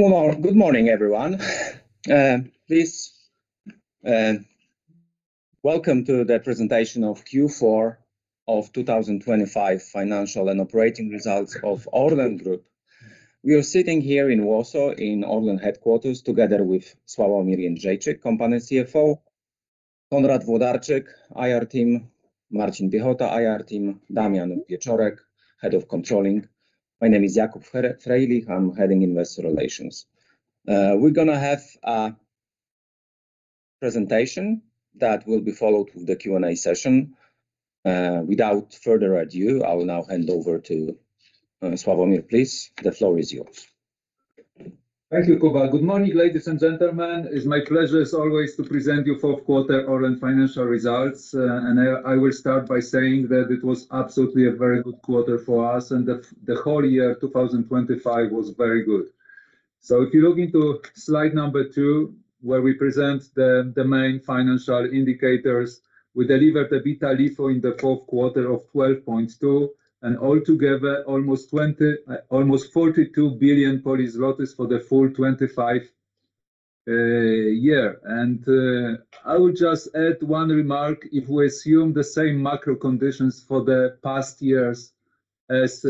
Good morning, everyone. Please welcome to the presentation of Q4 of 2025 financial and operating results of ORLEN Group. We are sitting here in Warsaw, in ORLEN headquarters, together with Sławomir Jędrzejczyk, Company CFO, Konrad Włodarczyk, IR team, Marcin Piechota, IR team, Damian Pieczorek, Head of Controlling. My name is Jakub Frejlich, I'm heading Investor Relations. We're gonna have a presentation that will be followed with the Q&A session. Without further ado, I will now hand over to Sławomir, please. The floor is yours. Thank you, Kuba. Good morning, ladies and gentlemen. It's my pleasure as always, to present you fourth quarter ORLEN financial results, and I will start by saying that it was absolutely a very good quarter for us, and the whole year, 2025, was very good. So if you look into slide 2, where we present the main financial indicators, we delivered the EBITDA LIFO in the fourth quarter of 12.2, and altogether, almost 42 billion Polish zlotys for the full 2025 year. I would just add one remark: if we assume the same macro conditions for the past years as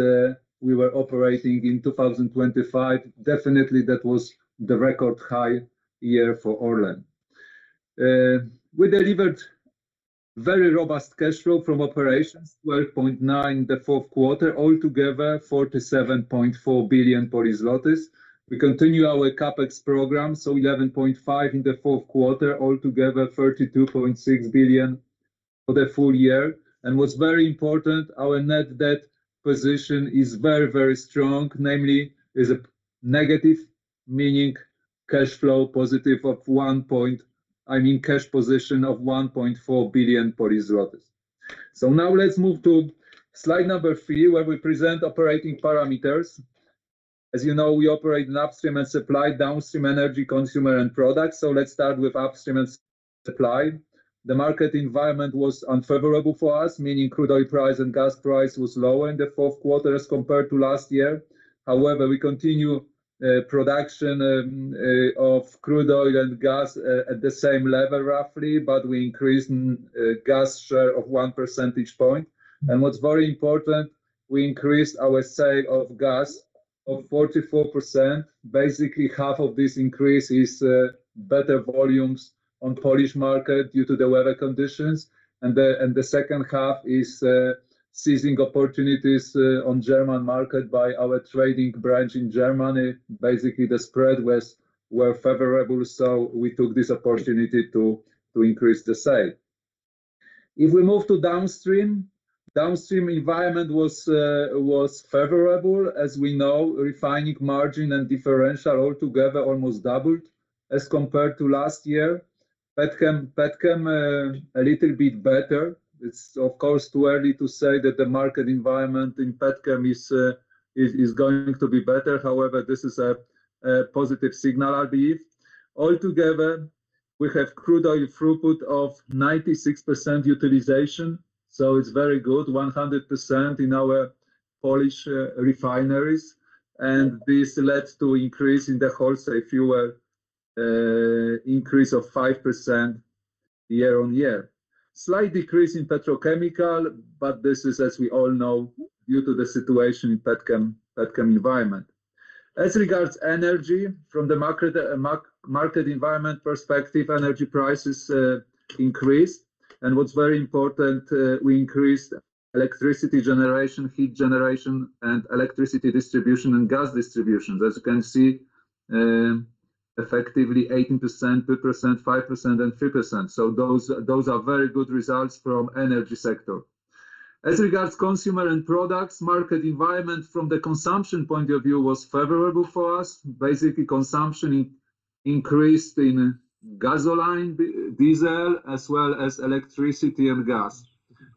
we were operating in 2025, definitely, that was the record high year for ORLEN. We delivered very robust cash flow from operations, 12.9 billion in the fourth quarter, altogether, 47.4 billion. We continue our CapEx program, 11.5 billion in the fourth quarter, altogether, 32.6 billion for the full year. What's very important, our net debt position is very, very strong. Namely, is a negative, meaning cash flow positive of 1.4 billion. I mean, cash position of 1.4 billion Polish zlotys. Now let's move to slide number three, where we present operating parameters. As you know, we operate in Upstream and Supply, Downstream Energy, Consumer, and Products. Let's start with Upstream and Supply. The market environment was unfavorable for us, meaning crude oil price and gas price was lower in the fourth quarter as compared to last year. However, we continue production of crude oil and gas at the same level, roughly, but we increased gas share of one percentage point. And what's very important, we increased our sale of gas of 44%. Basically, half of this increase is better volumes on Polish market due to the weather conditions, and the second half is seizing opportunities on German market by our trading branch in Germany. Basically, the spread was, were favorable, so we took this opportunity to increase the sale. If we move to Downstream, Downstream environment was favorable. As we know, refining margin and differential altogether almost doubled as compared to last year. Petchem, Petchem, a little bit better. It's, of course, too early to say that the market environment in Petchem is going to be better. However, this is a positive signal, I believe. Altogether, we have crude oil throughput of 96% utilization, so it's very good, 100% in our Polish refineries, and this led to increase in the wholesale fuel increase of 5% year on year. Slight decrease in petrochemical, but this is, as we all know, due to the situation in petchem environment. As regards Energy from the market market environment perspective, energy prices increased. And what's very important, we increased electricity generation, heat generation, and electricity distribution, and gas distribution. As you can see, effectively 18%, 2%, 5%, and 3%, so those are very good results from energy sector. As regards Consumer and Products, market environment from the consumption point of view was favorable for us. Basically, consumption increased in gasoline, diesel, as well as electricity and gas.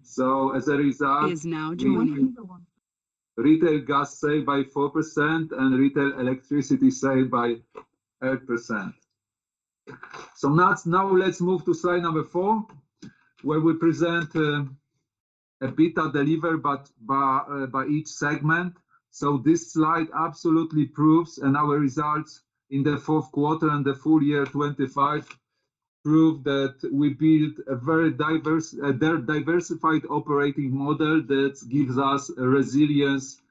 So as a result, retail gas sales by 4% and retail electricity sales by 8%. Now, let's move to slide number 4, where we present EBITDA delivered by each segment. This slide absolutely proves, and our results in the fourth quarter and the full year 2025, prove that we built a very diverse, diversified operating model that gives us a resilience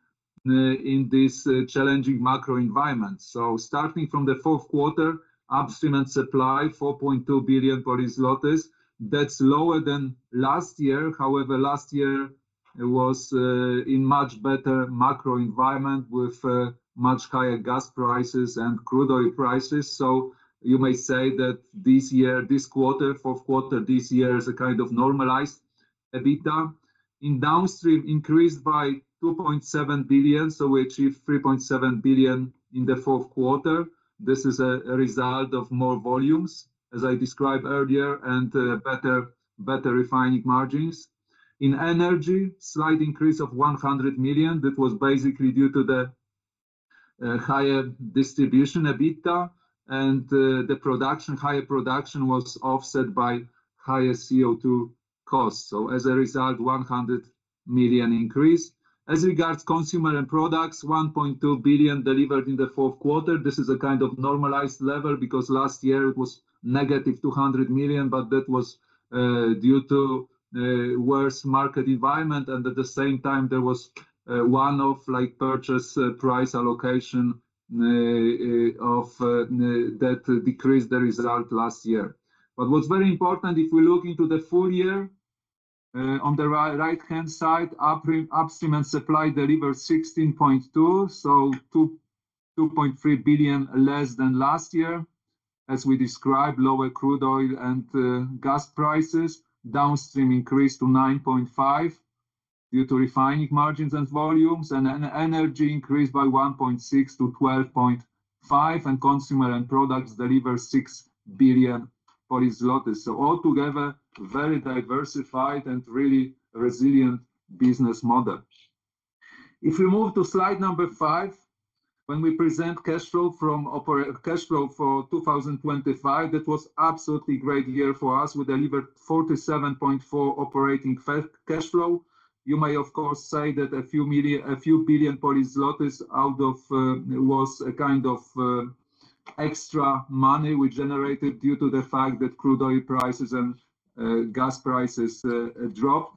in this challenging macro environment. Starting from the fourth quarter, Upstream and Supply, 4.2 billion. That's lower than last year. However, last year was in much better macro environment with much higher gas prices and crude oil prices. So you may say that this year, this quarter, fourth quarter, this year, is a kind of normalized EBITDA. In Downstream, increased by 2.7 billion, so we achieved 3.7 billion in the fourth quarter. This is a result of more volumes, as I described earlier, and better refining margins. In Energy, slight increase of 100 million. That was basically due to the higher distribution EBITDA, and the production, higher production was offset by higher CO2 costs. So as a result, 100 million increase. As regards Consumer and Products, 1.2 billion delivered in the fourth quarter. This is a kind of normalized level, because last year it was -200 million, but that was due to worse market environment, and at the same time, there was one-off, like, purchase price allocation that decreased the result last year. What's very important, if we look into the full year, on the right-hand side, Upstream and Supply delivered 16.2, so 2.3 billion less than last year. As we described, lower crude oil and gas prices, Downstream increased to 9.5 billion due to refining margins and volumes, and Energy increased by 1.6 billion to 12.5 billion, and Consumer and Products delivered 6 billion. Altogether, very diversified and really resilient business model. If we move to slide number five, when we present cash flow from operations—cash flow for 2025, that was absolutely great year for us. We delivered 47.4 billion operating cash flow. You may, of course, say that a few million, a few billion PLN out of was a kind of extra money we generated due to the fact that crude oil prices and gas prices dropped.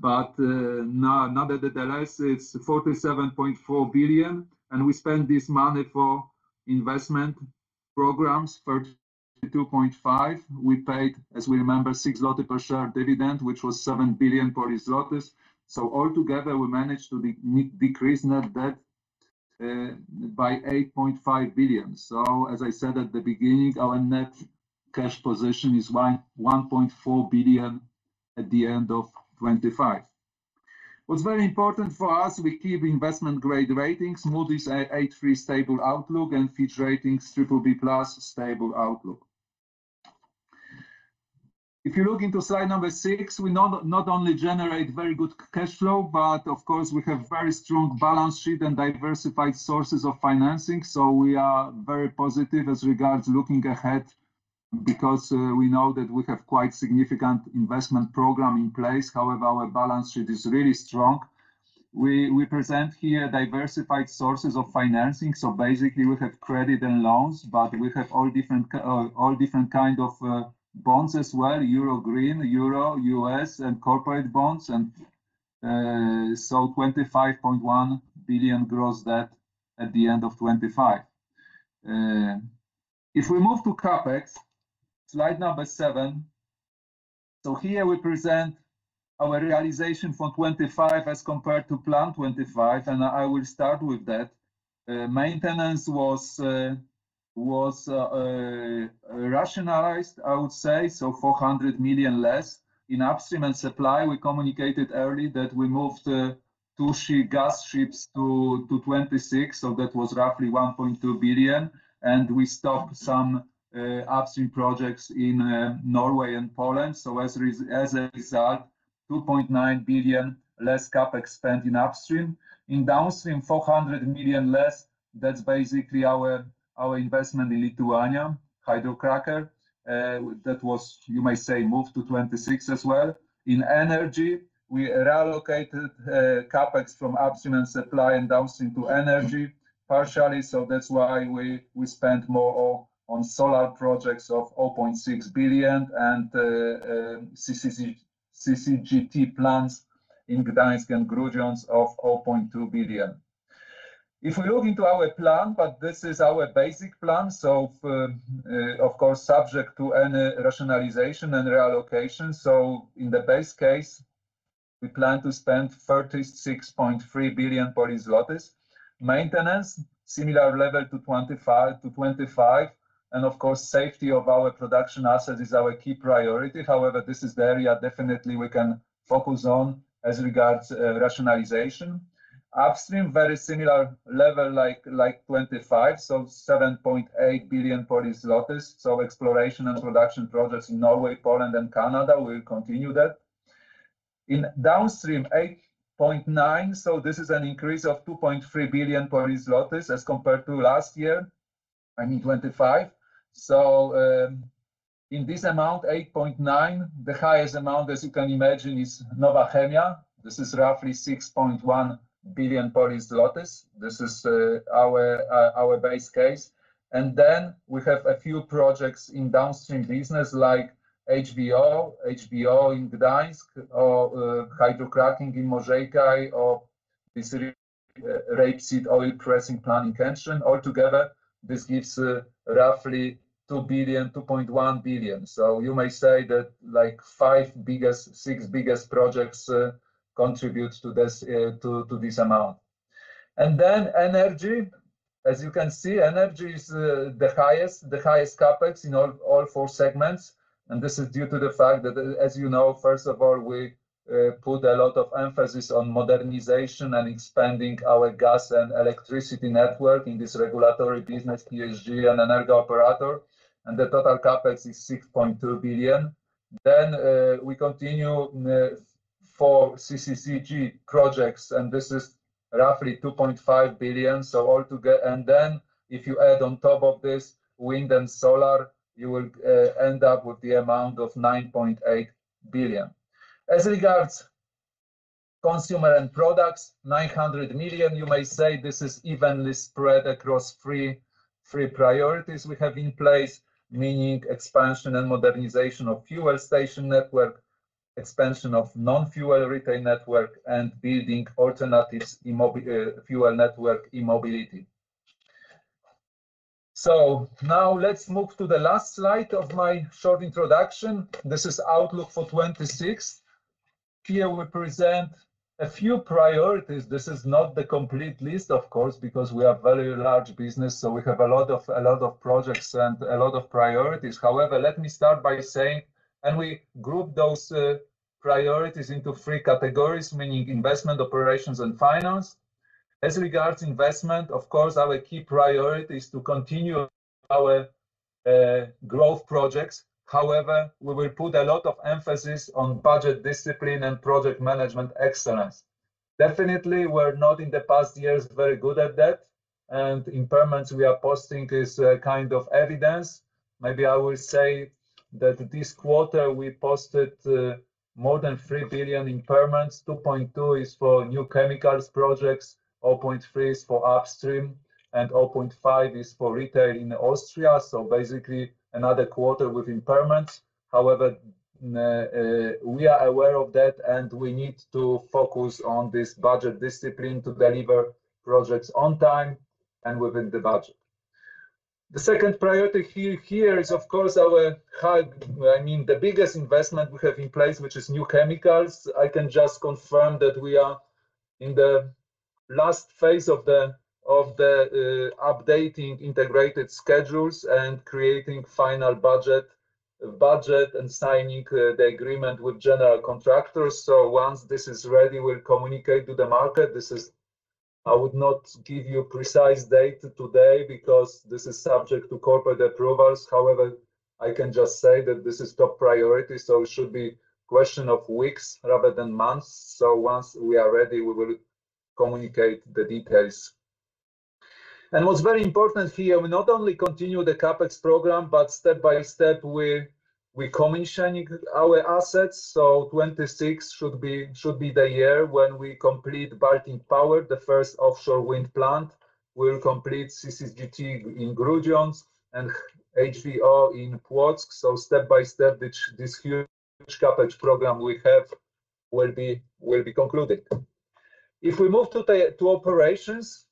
But nonetheless, it's 47.4 billion PLN, and we spent this money for investment programs, 32.5 billion PLN. We paid, as we remember, 6 PLN per share dividend, which was 7 billion PLN. So altogether, we managed to decrease net debt by 8.5 billion PLN. So as I said at the beginning, our net cash position is 1.1 billion PLN at the end of 2025. What's very important for us, we keep investment-grade ratings, Moody's A3 stable outlook, and Fitch Ratings BBB+ stable outlook. If you look into slide number 6, we not only generate very good cash flow, but of course, we have very strong balance sheet and diversified sources of financing. So we are very positive as regards looking ahead, because we know that we have quite significant investment program in place. However, our balance sheet is really strong. We present here diversified sources of financing, so basically, we have credit and loans, but we have all different kind of bonds as well, Euro green, Euro, US, and corporate bonds, and so 25.1 billion gross debt at the end of 2025. If we move to CapEx, slide number 7, so here we present our realization for 2025 as compared to plan 2025, and I will start with that. Maintenance was rationalized, I would say, so 400 million less. In Upstream and Supply, we communicated early that we moved two gas ships to 2026, so that was roughly 1.2 billion, and we stopped some upstream projects in Norway and Poland. As a result, 2.9 billion less CapEx spent in upstream. In Downstream, 400 million less. That's basically our investment in Lithuania, hydrocracker, that was, you may say, moved to 2026 as well. In Energy, we reallocated CapEx from Upstream and Supply, and Downstream to Energy partially, so that's why we spent more on solar projects of 0.6 billion and CCGT plants in Gdańsk and Grudziądz of 0.2 billion. If we look into our plan, but this is our basic plan, so, of course, subject to any rationalization and reallocation. So in the base case, we plan to spend 36.3 billion. Maintenance, similar level to 2025, and of course, safety of our production assets is our key priority. However, this is the area definitely we can focus on as regards rationalization. Upstream, very similar level like 2025, so 7.8 billion. So exploration and production projects in Norway, Poland, and Canada, we'll continue that. In Downstream, 8.9, so this is an increase of 2.3 billion Polish zlotys as compared to last year, I mean, 2025. So, in this amount, 8.9, the highest amount, as you can imagine, is Nowa Chemia. This is roughly 6.1 billion Polish zlotys. This is our base case. And then we have a few projects in Downstream business like HVO, HVO in Gdańsk, or hydrocracking in Możejki, or this rapeseed oil pressing plant in Kętrzyn. Altogether, this gives roughly 2 billion-2.1 billion. So you may say that like 5 biggest, 6 biggest projects contribute to this, to this amount. And then Energy, as you can see, Energy is the highest CapEx in all four segments, and this is due to the fact that as you know, first of all, we put a lot of emphasis on modernization and expanding our gas and electricity network in this regulatory business, PSG and Energa Operator, and the total CapEx is 6.2 billion. Then we continue for CCGT projects, and this is roughly 2.5 billion. So all together, and then if you add on top of this wind and solar, you will end up with the amount of 9.8 billion. As regards Consumer and Products, 900 million, you may say this is evenly spread across three priorities we have in place, meaning expansion and modernization of fuel station network, expansion of non-fuel retail network, and building alternatives in mobi- fuel network e-mobility. So now let's move to the last slide of my short introduction. This is outlook for 2026. Here we present a few priorities. This is not the complete list, of course, because we are very large business, so we have a lot of, a lot of projects and a lot of priorities. However, let me start by saying, and we group those priorities into three categories, meaning investment, operations, and finance. As regards investment, of course, our key priority is to continue our growth projects. However, we will put a lot of emphasis on budget discipline and project management excellence. Definitely, we're not, in the past years, very good at that, and impairments we are posting is kind of evidence. Maybe I will say that this quarter we posted more than 3 billion impairments. 2.2 billion is for new chemicals projects, 0.3 billion is for upstream, and 0.5 billion is for retail in Austria, so basically another quarter with impairments. However, we are aware of that, and we need to focus on this budget discipline to deliver projects on time and within the budget. The second priority here is, of course, I mean, the biggest investment we have in place, which is new chemicals. I can just confirm that we are in the last phase of updating integrated schedules and creating final budget and signing the agreement with general contractors. So once this is ready, we'll communicate to the market. This is... I would not give you a precise date today because this is subject to corporate approvals. However, I can just say that this is top priority, so it should be question of weeks rather than months. So once we are ready, we will communicate the details. And what's very important here, we not only continue the CapEx program, but step by step, we're commissioning our assets. So 2026 should be the year when we complete Baltic Power, the first offshore wind plant. We'll complete CCGT in Grudziądz and HVO in Płock. So step by step, this huge CapEx program we have will be concluded. If we move to operations,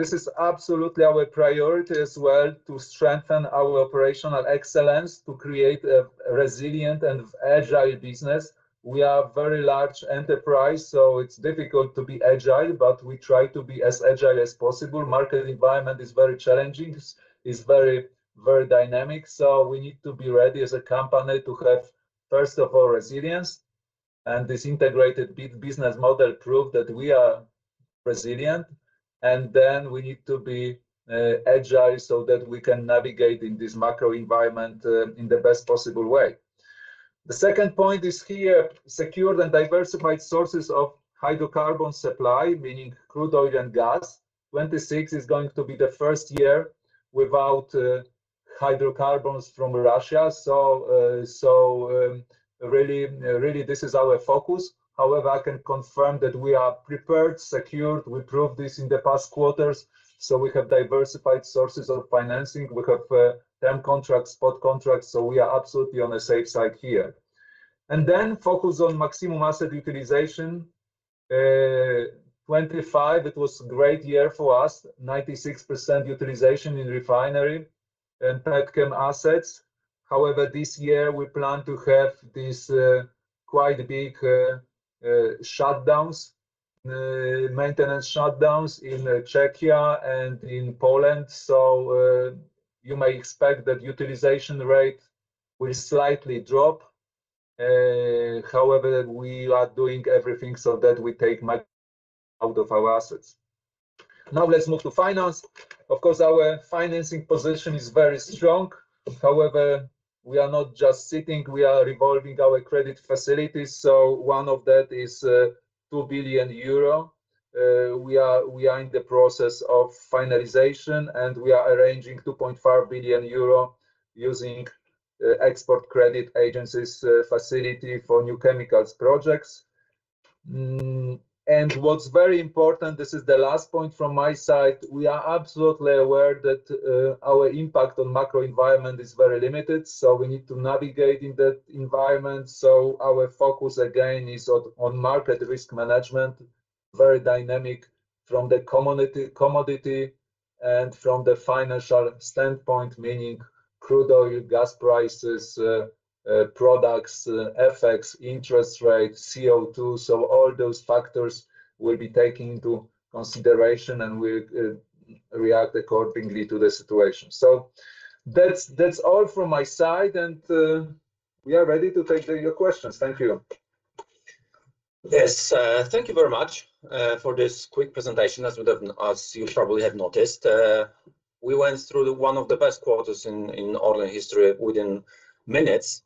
this is absolutely our priority as well, to strengthen our operational excellence, to create a resilient and agile business. We are a very large enterprise, so it's difficult to be agile, but we try to be as agile as possible. Market environment is very challenging, very dynamic, so we need to be ready as a company to have, first of all, resilience. And this integrated business model proved that we are resilient, and then we need to be agile so that we can navigate in this macro environment in the best possible way. The second point is here, secured and diversified sources of hydrocarbon supply, meaning crude oil and gas. 2026 is going to be the first year without hydrocarbons from Russia, so really, this is our focus. However, I can confirm that we are prepared, secured. We proved this in the past quarters, so we have diversified sources of financing. We have term contracts, spot contracts, so we are absolutely on the safe side here. Focus on maximum asset utilization. 2025, it was a great year for us, 96% utilization in refinery and petchem assets. However, this year, we plan to have this, quite big, shutdowns, maintenance shutdowns in Czechia and in Poland. You may expect that utilization rate will slightly drop. However, we are doing everything so that we take much out of our assets. Now, let's move to finance. Of course, our financing position is very strong. However, we are not just sitting, we are revolving our credit facilities, so one of that is 2 billion euro. We are in the process of finalization, and we are arranging 2.5 billion euro using export credit agencies facility for new chemicals projects. And what's very important, this is the last point from my side, we are absolutely aware that our impact on macro environment is very limited, so we need to navigate in that environment. So our focus again is on market risk management, very dynamic from the commodity and from the financial standpoint, meaning crude oil, gas prices, products, FX, interest rates, CO2. So all those factors will be taken into consideration, and we'll react accordingly to the situation. So that's, that's all from my side, and we are ready to take your questions. Thank you. Yes, thank you very much for this quick presentation. As we have, as you probably have noticed, we went through one of the best quarters in ORLEN history within minutes,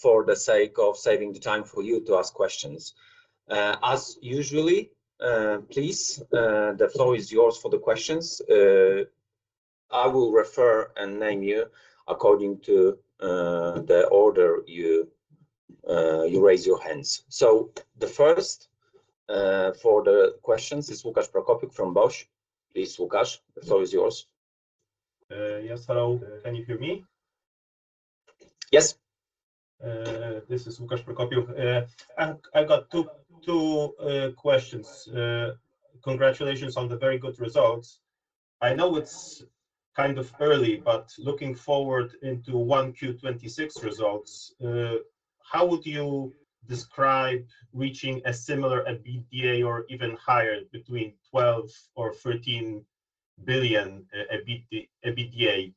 for the sake of saving the time for you to ask questions. As usually, please, the floor is yours for the questions. I will refer and name you according to the order you raise your hands. So the first for the questions is Łukasz Prokopiuk from BOŚ. Please, Łukasz, the floor is yours. Yes, hello. Can you hear me? Yes. This is Łukasz Prokopiuk. I have got two questions. Congratulations on the very good results. I know it's kind of early, but looking forward into 1Q 2026 results, how would you describe reaching a similar EBITDA or even higher, between 12 billion-13 billion EBITDA?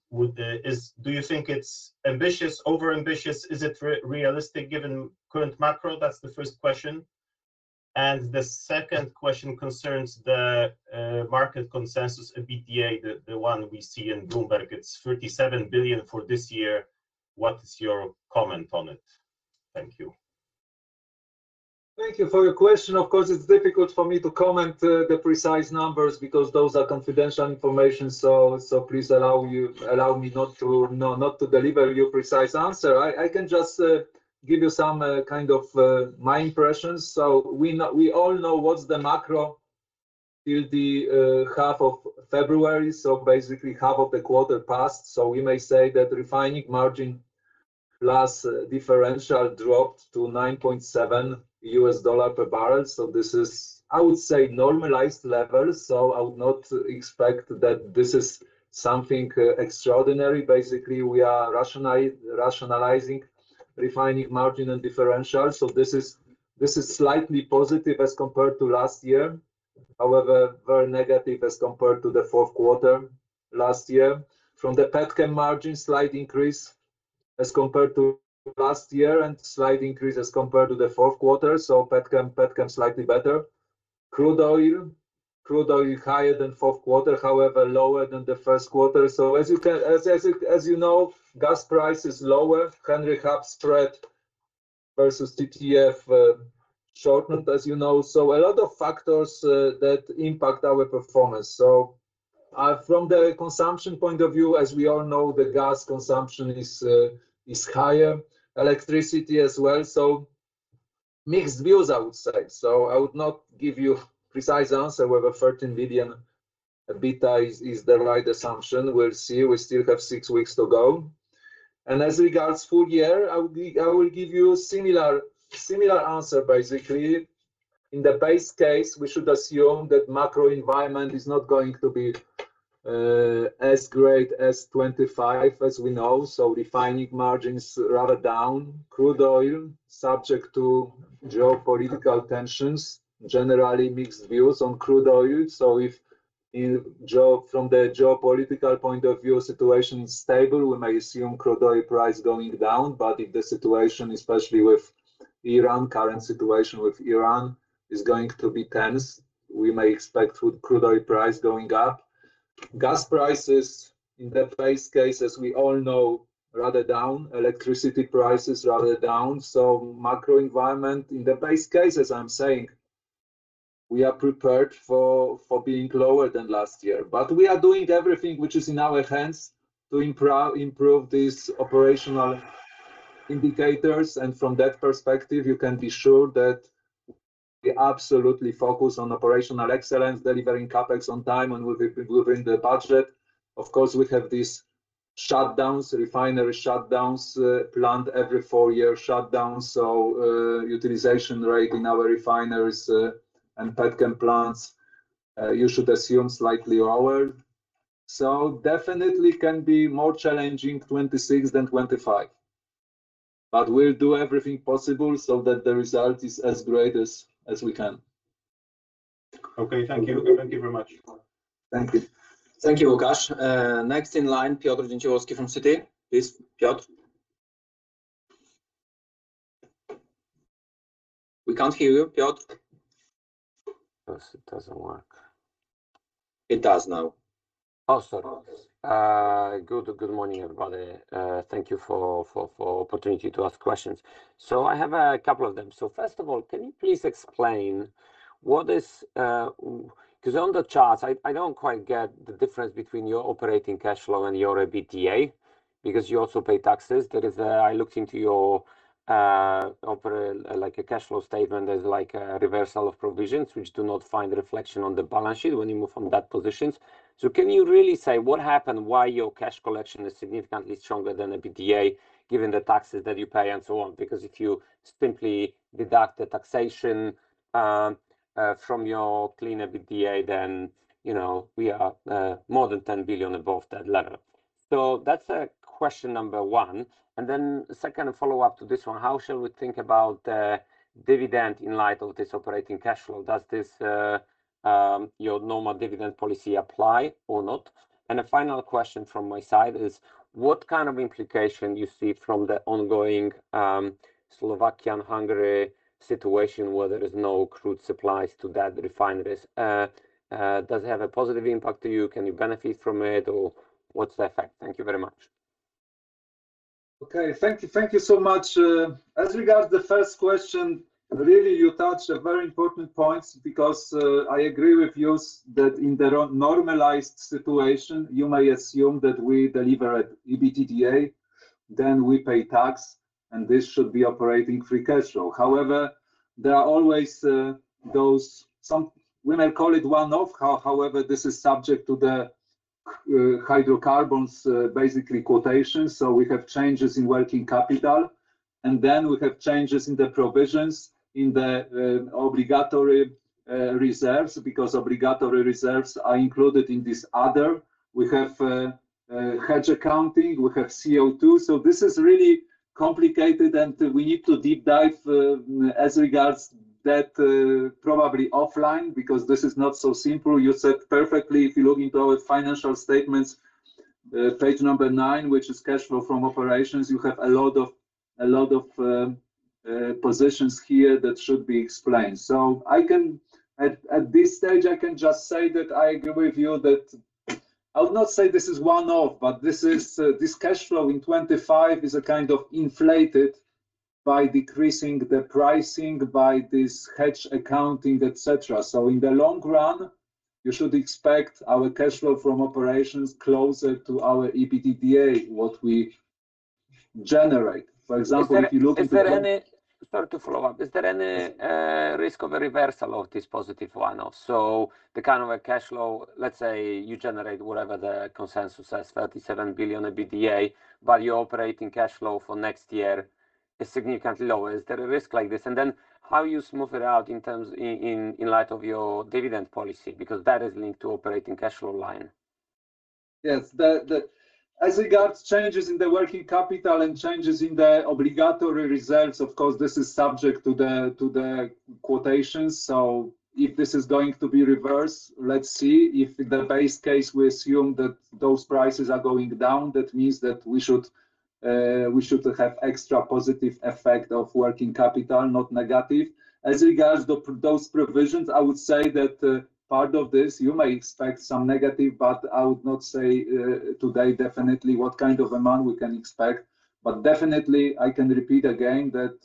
Is it ambitious, overambitious? Is it realistic, given current macro? That's the first question. The second question concerns the market consensus EBITDA, the one we see in Bloomberg. It's 37 billion for this year. What is your comment on it? Thank you. Thank you for your question. Of course, it's difficult for me to comment, the precise numbers because those are confidential information. So please allow me not to deliver you precise answer. I can just give you some kind of my impressions. So we all know what's the macro till the half of February, so basically, half of the quarter passed. So we may say that refining margin plus differential dropped to $9.7 per barrel. So this is, I would say, normalized level, so I would not expect that this is something extraordinary. Basically, we are rationalizing refining margin and differential. So this is, this is slightly positive as compared to last year, however, very negative as compared to the fourth quarter last year. From the petchem margin, slight increase as compared to last year, and slight increase as compared to the fourth quarter, so petchem, petchem slightly better. Crude oil, crude oil higher than fourth quarter, however, lower than the first quarter. So as you know, gas price is lower, Henry Hub spread versus TTF shortened, as you know, so a lot of factors that impact our performance. So from the consumption point of view, as we all know, the gas consumption is higher, electricity as well, so mixed views, I would say. So I would not give you precise answer whether 13 billion EBITDA is the right assumption. We'll see. We still have six weeks to go. And as regards full year, I will give you similar, similar answer, basically. In the base case, we should assume that macro environment is not going to be as great as 25, as we know, so refining margins rather down. Crude oil, subject to geopolitical tensions, generally mixed views on crude oil. So if from the geopolitical point of view, situation is stable, we may assume crude oil price going down. But if the situation, especially with Iran, current situation with Iran, is going to be tense, we may expect crude oil price going up. Gas prices, in the base case, as we all know, rather down. Electricity prices, rather down. So macro environment, in the base case, as I'm saying, we are prepared for being lower than last year. But we are doing everything which is in our hands to improve these operational indicators, and from that perspective, you can be sure that we're absolutely focused on operational excellence, delivering CapEx on time and within the budget. Of course, we have these shutdowns, refinery shutdowns, planned every four-year shutdown, so, utilization rate in our refineries, and petchem plants, you should assume slightly lower. So definitely can be more challenging, 2026 than 2025, but we'll do everything possible so that the result is as great as we can. Okay, thank you. Thank you very much. Thank you. Thank you, Łukasz. Next in line, Piotr Dzięciołowski from Citi. Please, Piotr. We can't hear you, Piotr. Yes, it doesn't work. It does now. Oh, sorry. Good morning, everybody. Thank you for the opportunity to ask questions. I have a couple of them. First of all, can you please explain what is, 'cause on the charts, I don't quite get the difference between your operating cash flow and your EBITDA, because you also pay taxes. I looked into your cash flow statement, there's like a reversal of provisions which do not find reflection on the balance sheet when you move from that positions. Can you really say what happened, why your cash collection is significantly stronger than EBITDA, given the taxes that you pay and so on? Because if you simply deduct the taxation from your clean EBITDA, then, you know, we are more than 10 billion above that level. So that's question number one. And then second follow-up to this one, how shall we think about dividend in light of this operating cash flow? Does this your normal dividend policy apply or not? And a final question from my side is: What kind of implication you see from the ongoing Slovakia and Hungary situation, where there is no crude supplies to that refineries? Does it have a positive impact to you? Can you benefit from it, or what's the effect? Thank you very much. Okay, thank you. Thank you so much. As regards the first question, really, you touched a very important points, because I agree with you that in the normalized situation, you may assume that we deliver at EBITDA, then we pay tax, and this should be operating free cash flow. However, there are always those, some, we may call it one-off, however, this is subject to the hydrocarbons, basically quotation, so we have changes in working capital, and then we have changes in the provisions in the obligatory reserves, because obligatory reserves are included in this other. We have hedge accounting, we have CO2. So this is really complicated, and we need to deep dive as regards that, probably offline, because this is not so simple. You said perfectly, if you look into our financial statements, page number 9, which is cash flow from operations, you have a lot of, a lot of, positions here that should be explained. So I can, at this stage, I can just say that I agree with you that, I would not say this is one-off, but this is, this cash flow in 2025 is a kind of inflated by decreasing the pricing by this hedge accounting, et cetera. So in the long run, you should expect our cash flow from operations closer to our EBITDA, what we generate. For example, if you look into- Is there any... Sorry to follow up. Yes. Is there any risk of a reversal of this positive one-off? The kind of a cash flow, let's say, you generate whatever the consensus says, 37 billion EBITDA, but your operating cash flow for next year is significantly lower. Is there a risk like this? How do you smooth it out in terms, in light of your dividend policy, because that is linked to operating cash flow line. Yes. As regards changes in the working capital and changes in the obligatory results, of course, this is subject to the quotations. So if this is going to be reversed, let's see. If in the base case, we assume that those prices are going down, that means that we should we should have extra positive effect of working capital, not negative. As regards those provisions, I would say that part of this, you may expect some negative, but I would not say today, definitely what kind of amount we can expect. But definitely, I can repeat again that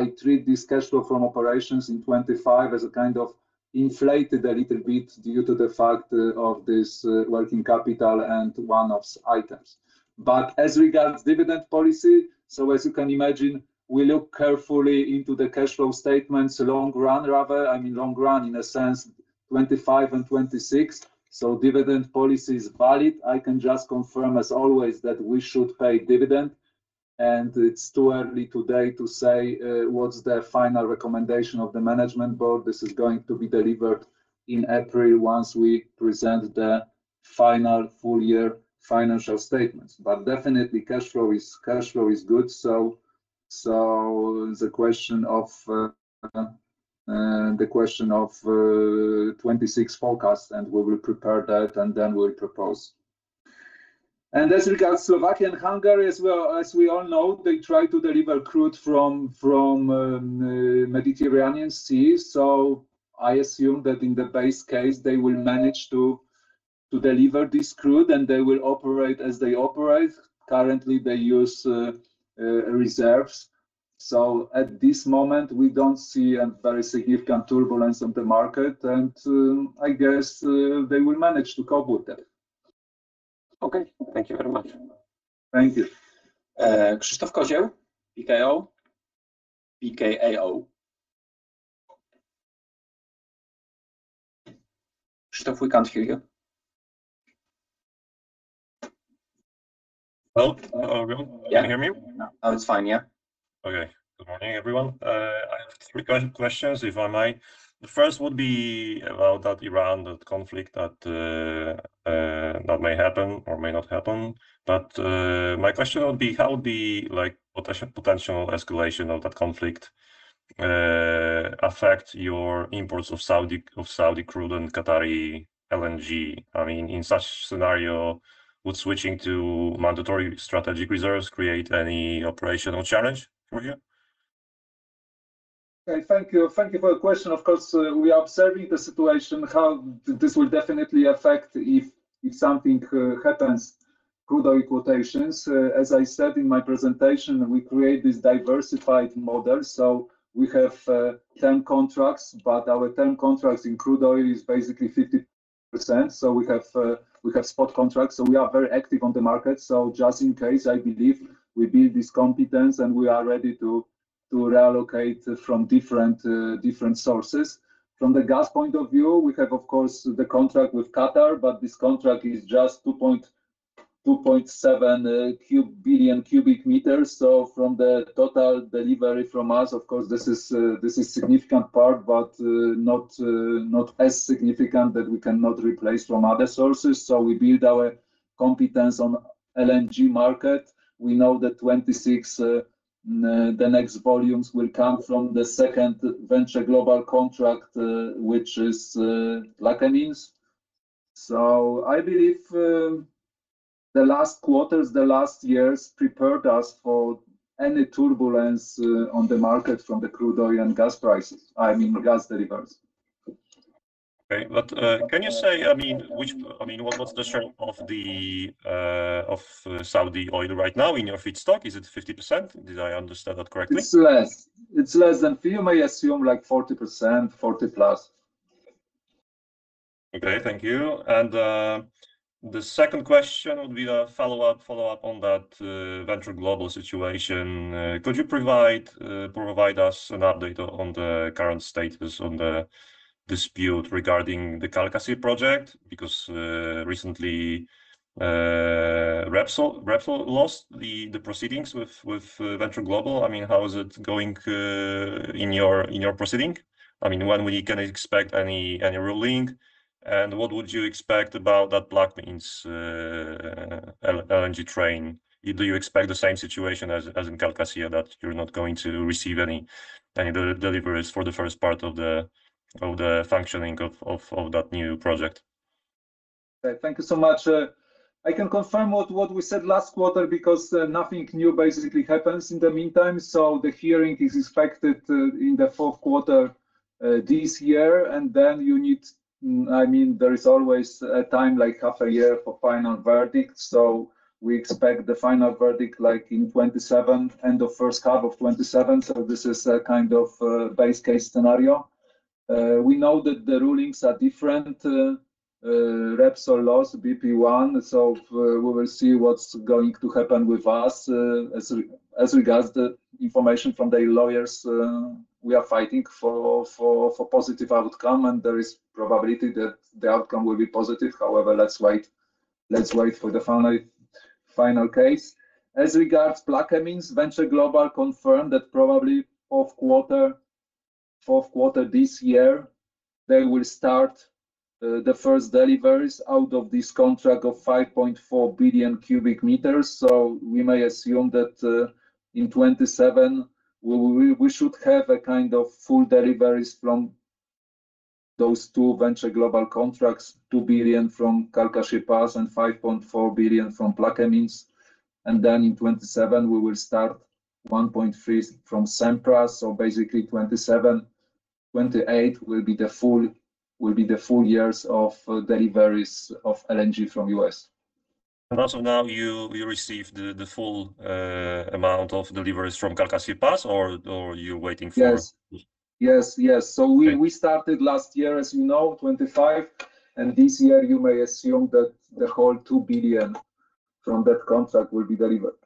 I treat this cash flow from operations in 2025 as a kind of inflated a little bit due to the fact of this working capital and one-off items. But as regards dividend policy, so as you can imagine, we look carefully into the cash flow statements long run, rather, I mean long run, in a sense, 25 and 26. So dividend policy is valid. I can just confirm, as always, that we should pay dividend, and it's too early today to say what's the final recommendation of the management board. This is going to be delivered in April once we present the final full year financial statements. But definitely, cash flow is, cash flow is good, so it's a question of the question of 26 forecast, and we will prepare that, and then we'll propose. And as regards Slovakia and Hungary as well, as we all know, they try to deliver crude from the Mediterranean Sea. So I assume that in the base case, they will manage to deliver this crude, and they will operate as they operate. Currently, they use reserves. So at this moment, we don't see a very significant turbulence on the market, and I guess they will manage to cope with that. Okay. Thank you very much. Thank you. Krzysztof Kozieł, Pekao. Pekao. Krzysztof, we can't hear you. Hello? Can you hear me? Oh, it's fine. Yeah. Okay. Good morning, everyone. I have three questions, if I might. The first would be about that Iran, that conflict that that may happen or may not happen. But my question would be, how would the, like, potential, potential escalation of that conflict affect your imports of Saudi, of Saudi crude and Qatari LNG? I mean, in such scenario, would switching to mandatory strategic reserves create any operational challenge for you? Okay. Thank you. Thank you for the question. Of course, we are observing the situation, how this will definitely affect if something happens, crude oil quotations. As I said in my presentation, we create this diversified model, so we have 10 contracts, but our 10 contracts in crude oil is basically 50%, so we have spot contracts, so we are very active on the market. So just in case, I believe we build this competence, and we are ready to reallocate from different sources. From the gas point of view, we have, of course, the contract with Qatar, but this contract is just 2.7 billion cubic meters. So from the total delivery from us, of course, this is significant part, but not as significant that we cannot replace from other sources. So we build our competence on LNG market. We know that 2026, the next volumes will come from the second Venture Global contract, which is Plaquemines. So I believe the last quarters, the last years, prepared us for any turbulence on the market from the crude oil and gas prices, I mean, gas deliveries. Okay, can you say, I mean, which- I mean, what, what's the share of the, I mean, of Saudi oil right now in your feedstock? Is it 50%? Did I understand that correctly? It's less. It's less than 50. You may assume, like, 40%, 40%+. Okay, thank you. The second question would be a follow-up on that Venture Global situation. Could you provide us an update on the current status on the dispute regarding the Calcasieu Pass project? Because recently Repsol lost the proceedings with Venture Global. I mean, how is it going in your proceeding? I mean, when we can expect any ruling, and what would you expect about that Plaquemines LNG train? Do you expect the same situation as in Calcasieu Pass, that you're not going to receive any deliveries for the first part of the functioning of that new project? Thank you so much. I can confirm what we said last quarter, because nothing new basically happens in the meantime. So the hearing is expected in the fourth quarter this year, and then you need. I mean, there is always a time, like half a year, for final verdict, so we expect the final verdict, like, in 2027, end of first half of 2027. So this is a kind of base case scenario. We know that the rulings are different. Repsol lost, BP won, so we will see what's going to happen with us. As regards the information from the lawyers, we are fighting for positive outcome, and there is probability that the outcome will be positive. However, let's wait for the final case. As regards Plaquemines, Venture Global confirmed that probably fourth quarter, fourth quarter this year, they will start the first deliveries out of this contract of 5.4 billion cubic meters. So we may assume that in 2027, we should have a kind of full deliveries from those two Venture Global contracts, 2 billion from Calcasieu Pass and 5.4 billion from Plaquemines. And then in 2027, we will start 1.3 billion from Sempra. So basically, 2027, 2028 will be the full, will be the full years of deliveries of LNG from US. As of now, you received the full amount of deliveries from Calcasieu Pass, or you're waiting for- Yes. Yes, yes. Okay. So we started last year, as you know, 25, and this year you may assume that the whole 2 billion from that contract will be delivered.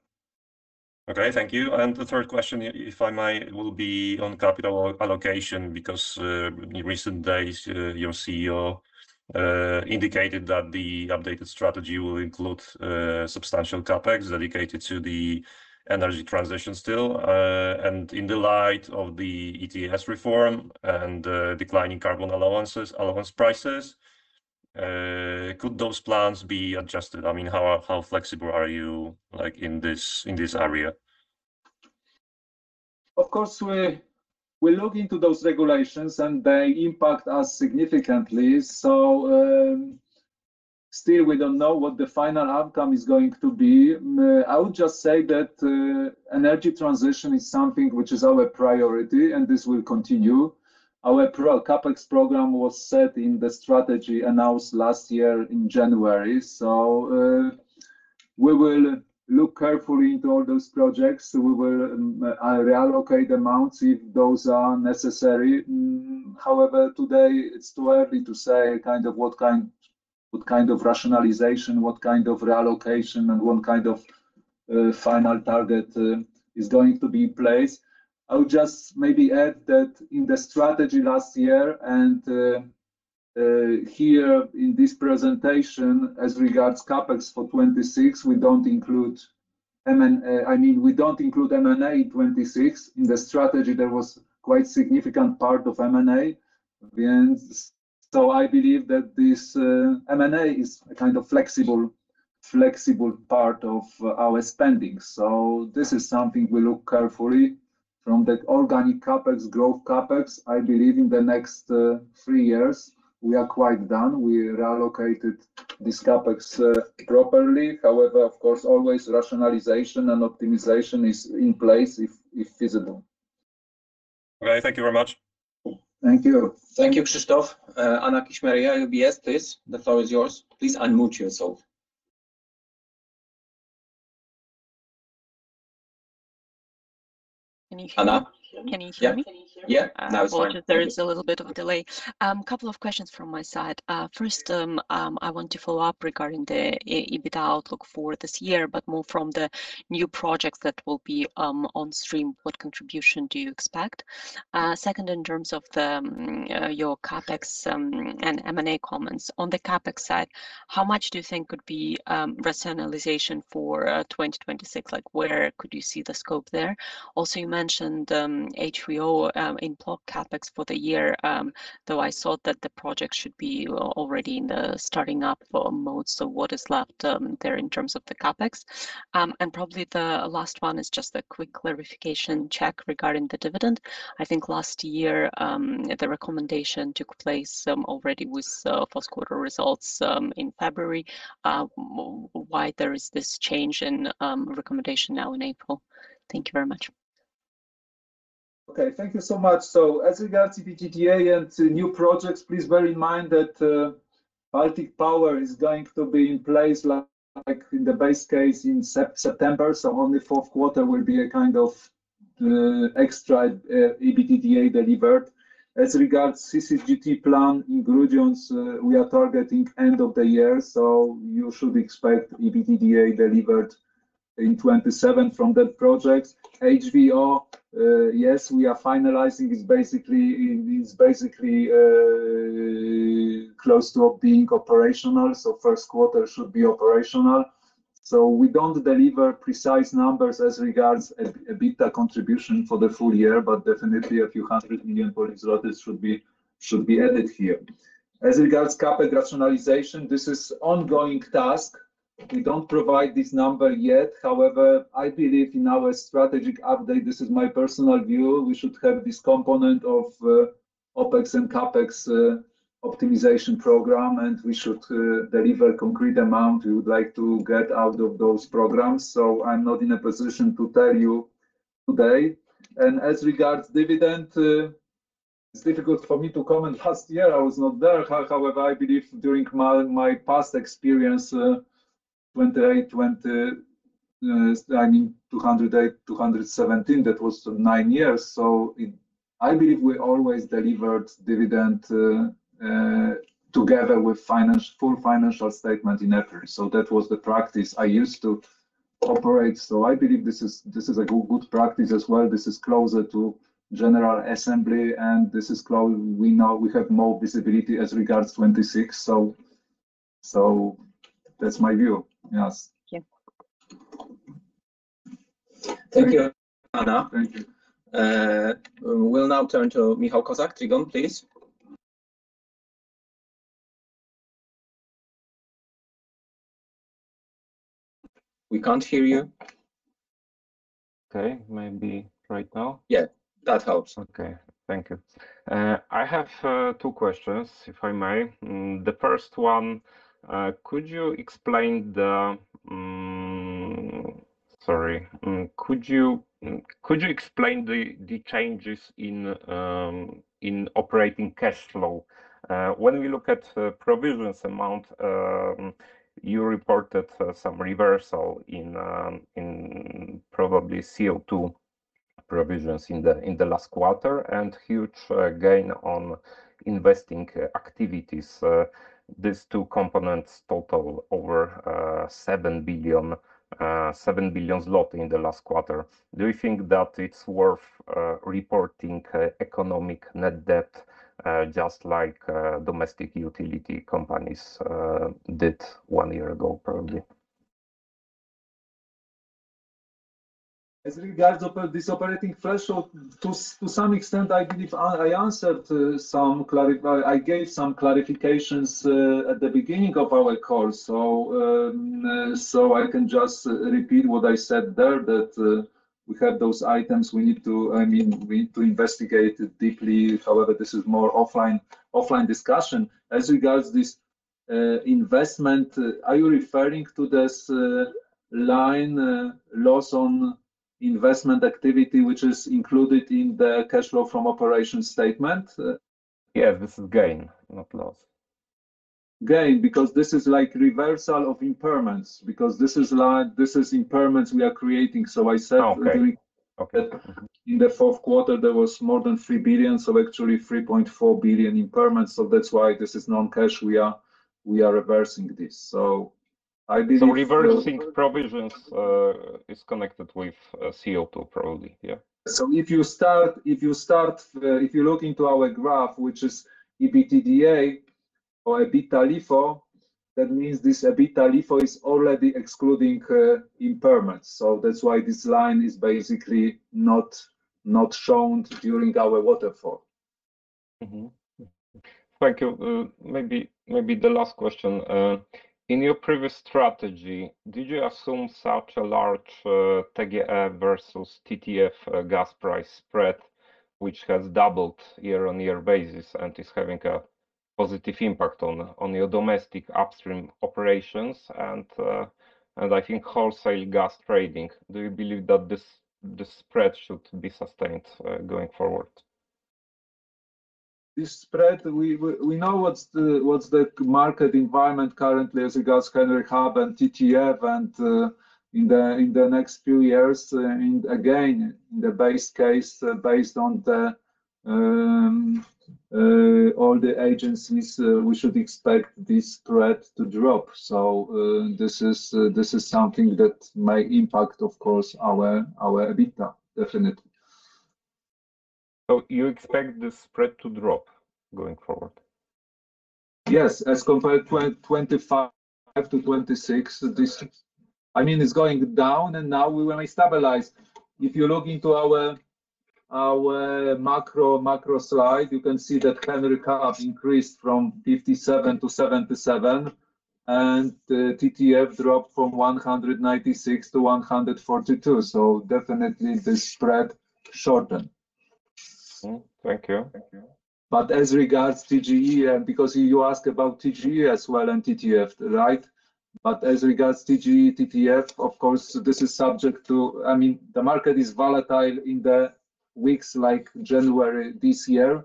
Okay, thank you. And the third question, if, if I may, will be on capital allocation, because, in recent days, your CEO indicated that the updated strategy will include, substantial CapEx dedicated to the energy transition still. And in the light of the ETS reform and, declining carbon allowances, allowance prices, could those plans be adjusted? I mean, how, how flexible are you, like, in this, in this area? Of course, we're looking into those regulations, and they impact us significantly. So, still, we don't know what the final outcome is going to be. I would just say that, energy transition is something which is our priority, and this will continue. Our CapEx program was set in the strategy announced last year in January, so, we will look carefully into all those projects, so we will reallocate amounts if those are necessary. However, today, it's too early to say kind of what kind of rationalization, what kind of reallocation, and what kind of final target is going to be in place. I would just maybe add that in the strategy last year, and here in this presentation, as regards CapEx for 2026, we don't include M&A, I mean, we don't include M&A in 2026. In the strategy, there was quite significant part of M&A. And so I believe that this, M&A is a kind of flexible, flexible part of, our spending. So this is something we look carefully from that organic CapEx, growth CapEx. I believe in the next, three years, we are quite done. We reallocated this CapEx, properly. However, of course, always rationalization and optimization is in place if feasible. Okay, thank you very much. Thank you. Thank you, Krzysztof. Anna Kishimariya, UBS, please, the floor is yours. Please unmute yourself. Can you hear me? Anna? Can you hear me? Yep. Can you hear me? Yeah, now it's better. There is a little bit of a delay. A couple of questions from my side. First, I want to follow up regarding the EBITDA outlook for this year, but more from the new projects that will be on stream. What contribution do you expect? Second, in terms of your CapEx and M&A comments, on the CapEx side, how much do you think could be rationalization for 2026? Like, where could you see the scope there? Also, you mentioned HVO in Płock CapEx for the year, though I thought that the project should be already in the starting up for mode. So what is left there in terms of the CapEx? And probably the last one is just a quick clarification check regarding the dividend. I think last year, the recommendation took place already with first quarter results in February. Why there is this change in recommendation now in April? Thank you very much. Okay, thank you so much. So as regards EBITDA and new projects, please bear in mind that, Baltic Power is going to be in place like, like in the base case in September, so only fourth quarter will be a kind of, extra, EBITDA delivered. As regards CCGT plan in Grudziądz, we are targeting end of the year, so you should expect EBITDA delivered in 2027 from that project. HVO, yes, we are finalizing. It's basically, it is basically, close to being operational, so first quarter should be operational. So we don't deliver precise numbers as regards EBITDA contribution for the full year, but definitely a few hundred million PLN should be added here. As regards CapEx rationalization, this is ongoing task. We don't provide this number yet. However, I believe in our strategic update, this is my personal view, we should have this component of OpEx and CapEx optimization program, and we should deliver concrete amount we would like to get out of those programs. So I'm not in a position to tell you today. And as regards dividend, it's difficult for me to comment. Last year, I was not there. However, I believe during my past experience, I mean, 2008, 2017, that was nine years. So it... I believe we always delivered dividend together with finance, full financial statement in April. So that was the practice I used to operate, so I believe this is a good practice as well. This is closer to General Assembly, and this is close. We know we have more visibility as regards 2026, so, so that's my view. Yes. Thank you. Thank you, Anna. Thank you. We'll now turn to Michał Kozak, Trigon, please. We can't hear you. Okay. Maybe right now? Yeah, that helps. Okay. Thank you. I have two questions, if I may. The first one, could you explain the... Sorry. Could you explain the changes in operating cash flow? When we look at provisions amount, you reported some reversal in probably CO2 provisions in the last quarter, and huge gain on investing activities. These two components total over 7 billion in the last quarter. Do you think that it's worth reporting economic net debt, just like domestic utility companies did one year ago, probably? As regards of this operating threshold, to some extent, I believe I answered some clarifications at the beginning of our call. So, so I can just repeat what I said there, that we have those items we need to... I mean, we need to investigate it deeply. However, this is more offline discussion. As regards this investment, are you referring to this line, loss on investment activity, which is included in the cash flow from operation statement? Yeah, this is gain, not loss. Gain, because this is like reversal of impairments, because this is like, this is impairments we are creating. So I said- Okay. Okay. In the fourth quarter, there was more than 3 billion, so actually 3.4 billion impairments, so that's why this is non-cash. We are, we are reversing this. So I believe- So reversing provisions is connected with CO2 probably, yeah? So if you start, if you look into our graph, which is EBITDA or EBITDA LIFO, that means this EBITDA LIFO is already excluding impairments, so that's why this line is basically not shown during our waterfall. Mm-hmm. Thank you. Maybe, maybe the last question: In your previous strategy, did you assume such a large TGE versus TTF gas price spread, which has doubled year-over-year basis and is having a positive impact on your domestic upstream operations, and and I think wholesale gas trading? Do you believe that this spread should be sustained going forward? This spread, we know what's the market environment currently as regards Henry Hub and TTF, and in the next few years, and again, in the base case, based on all the agencies, we should expect this spread to drop. So, this is something that may impact, of course, our EBITDA, definitely. You expect the spread to drop going forward? Yes, as compared 2025-2026, this—I mean, it's going down, and now we will stabilize. If you look into our macro slide, you can see that Henry Hub increased from 57 to 77, and the TTF dropped from 196 to 142, so definitely this spread shortened. Mm-hmm. Thank you. Thank you. But as regards TGE, and because you asked about TGE as well and TTF, right? But as regards TGE, TTF, of course, this is subject to, I mean, the market is volatile in the weeks like January this year,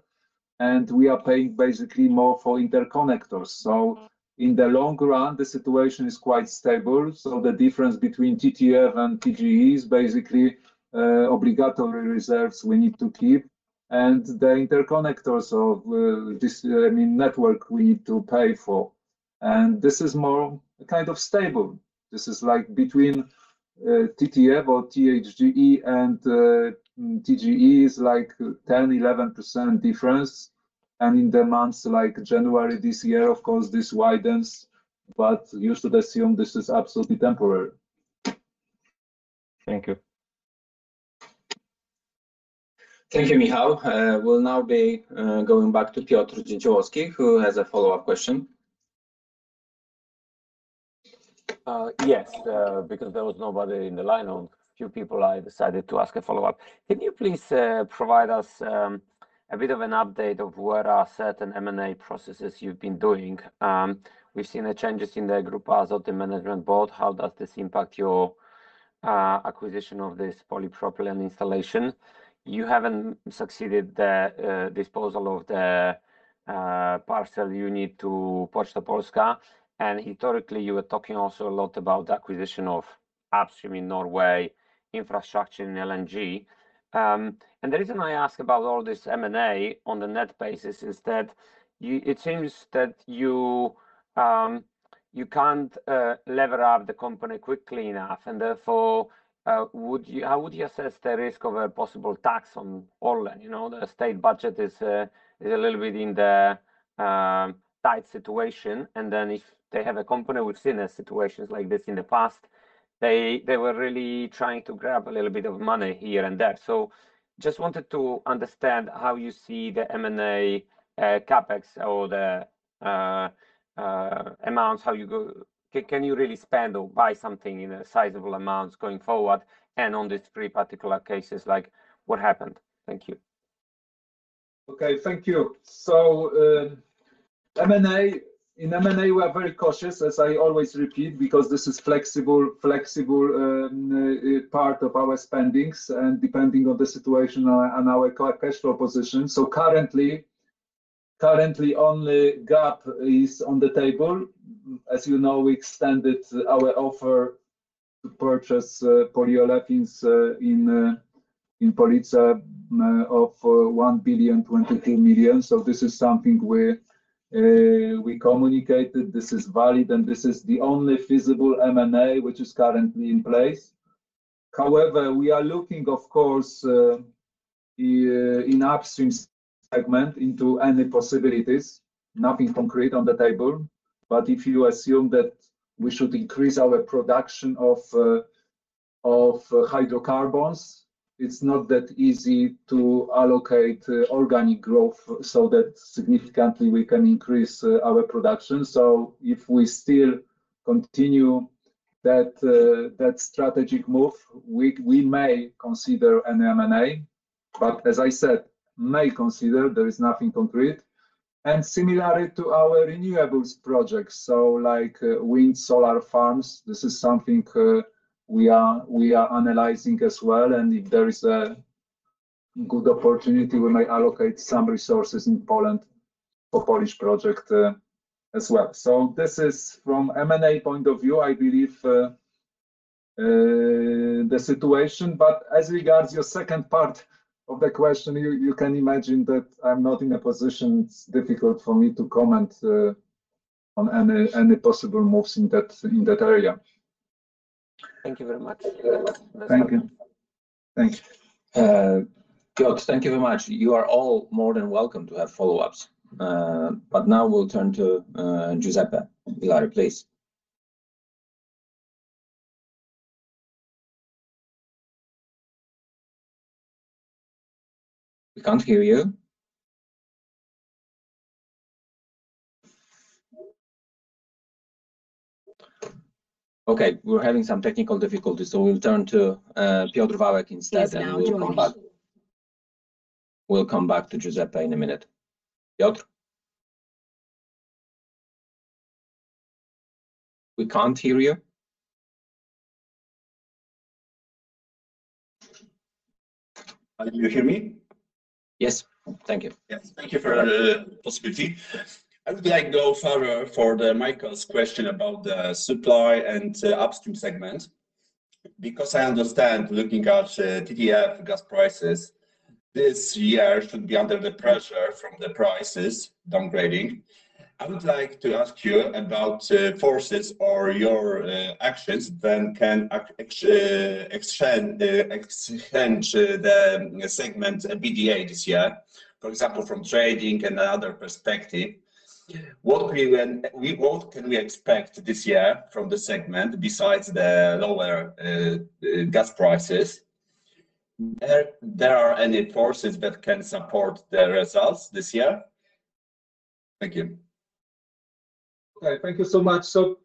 and we are paying basically more for interconnectors. So in the long run, the situation is quite stable. So the difference between TTF and TGE is basically, obligatory reserves we need to keep and the interconnectors of, this, I mean, network we need to pay for, and this is more kind of stable. This is like between, TTF or TTF and, TGE is like 10-11% difference. And in the months like January this year, of course, this widens, but you should assume this is absolutely temporary. Thank you. Thank you, Michał. We'll now be going back to Piotr Dzięciołowski, who has a follow-up question. Yes, because there was nobody in the line or few people, I decided to ask a follow-up. Can you please provide us a bit of an update of where are certain M&A processes you've been doing? We've seen the changes in the Grupa Azoty management board. How does this impact your acquisition of this polypropylene installation? You haven't succeeded the disposal of the parcel you need to PSG Polska. And historically, you were talking also a lot about the acquisition of upstream in Norway, infrastructure in LNG. And the reason I ask about all this M&A on the net basis is that you- it seems that you you can't lever up the company quickly enough, and therefore would you... How would you assess the risk of a possible tax on ORLEN? You know, the state budget is a little bit in the tight situation, and then if they have a company, we've seen in situations like this in the past, they were really trying to grab a little bit of money here and there. So just wanted to understand how you see the M&A, CapEx or the amounts, how you go... Can you really spend or buy something in sizable amounts going forward? And on these three particular cases, like, what happened? Thank you. Okay, thank you. So, M&A, in M&A, we are very cautious, as I always repeat, because this is flexible, flexible, part of our spendings, and depending on the situation and our cash flow position. So currently, only GAP is on the table. As you know, we extended our offer to purchase polyolefins in Police of 1.022 billion. So this is something where we communicated, this is valid, and this is the only feasible M&A which is currently in place. However, we are looking, of course, in upstream segment into any possibilities, nothing concrete on the table. But if you assume that we should increase our production of hydrocarbons, it's not that easy to allocate organic growth so that significantly we can increase our production. So if we still continue that strategic move, we may consider an M&A, but as I said, may consider. There is nothing concrete. And similarly to our renewables projects, so like wind, solar farms, this is something we are analyzing as well, and if there is a good opportunity, we may allocate some resources in Poland for Polish project as well. So this is from M&A point of view, I believe, the situation. But as regards your second part of the question, you can imagine that I'm not in a position. It's difficult for me to comment on any possible moves in that area. Thank you very much. Thank you. Thank you. Good. Thank you very much. You are all more than welcome to have follow-ups. But now we'll turn to Giuseppe Vilari, please. We can't hear you. Okay, we're having some technical difficulties, so we'll turn to Piotr Wawek instead, and we'll come back. Yes, now you can. We'll come back to Giuseppe in a minute. Piotr? We can't hear you. Can you hear me? Yes. Thank you. Yes, thank you for the possibility. I would like go further for the Michael's question about the supply and upstream segment, because I understand looking at the TTF gas prices, this year should be under the pressure from the prices downgrading. I would like to ask you about forces or your actions then can extend the segment EBITDA this year, for example, from trading and other perspective. What can we expect this year from the segment besides the lower gas prices? Are there any forces that can support the results this year? Thank you. Okay, thank you so much. So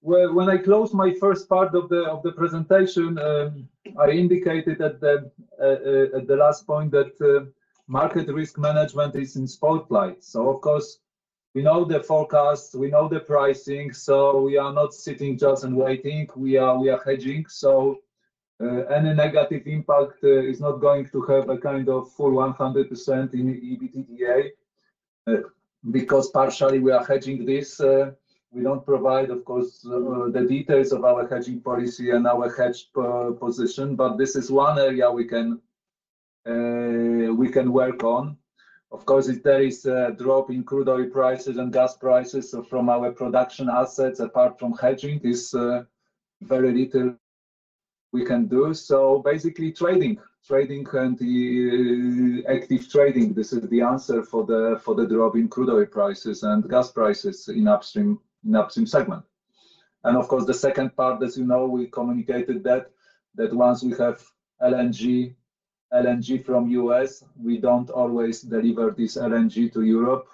when I closed my first part of the presentation, I indicated that at the last point, market risk management is in spotlight. So of course, we know the forecast, we know the pricing, so we are not sitting just and waiting, we are hedging. So, any negative impact is not going to have a kind of full 100% in EBITDA, because partially we are hedging this. We don't provide, of course, the details of our hedging policy and our hedge position, but this is one area we can work on. Of course, if there is a drop in crude oil prices and gas prices, so from our production assets, apart from hedging, there's very little we can do. So basically, trading, trading and the active trading, this is the answer for the, for the drop in crude oil prices and gas prices in upstream, in upstream segment. And of course, the second part, as you know, we communicated that, that once we have LNG, LNG from U.S., we don't always deliver this LNG to Europe.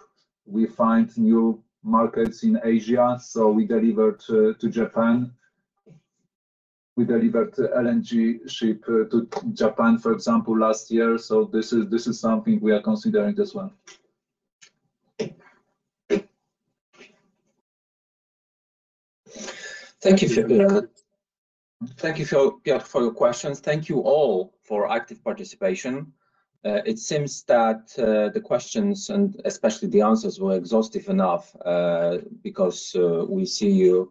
We find new markets in Asia, so we deliver to, to Japan. We delivered LNG ship to Japan, for example, last year. So this is, this is something we are considering as well. Thank you, Piotr, for your questions. Thank you all for active participation. It seems that the questions and especially the answers were exhaustive enough, because we see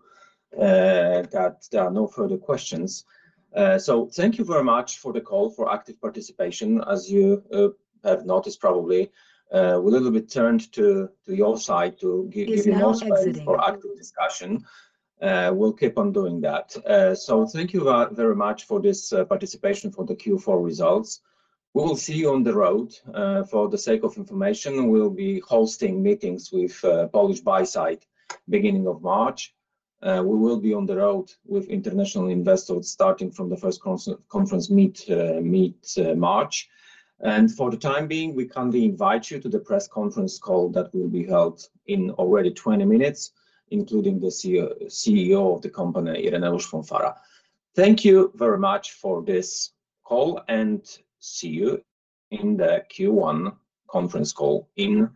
that there are no further questions. So thank you very much for the call, for active participation. As you have noticed, probably, we little bit turned to your side to give you more space for active discussion. We'll keep on doing that. So thank you very much for this participation for the Q4 results. We will see you on the road. For the sake of information, we'll be hosting meetings with Polish buy side, beginning of March. We will be on the road with international investors, starting from the first conference meet mid-March. And for the time being, we kindly invite you to the press conference call that will be held in already 20 minutes, including the CEO, CEO of the company, Ireneusz Fąfara. Thank you very much for this call, and see you in the Q1 conference call in-